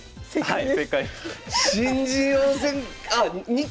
はい。